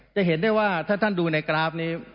จะเห็นได้ว่าถ้าท่านดูในกราฟนี้